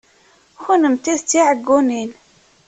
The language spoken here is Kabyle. Kennemti d tiɛeggunin.